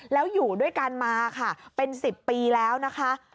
แล้วอยู่ด้วยกันมาค่ะเป็น๑๐ปีแล้วนะคะ